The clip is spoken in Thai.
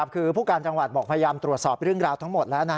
คือผู้การจังหวัดบอกพยายามตรวจสอบเรื่องราวทั้งหมดแล้ว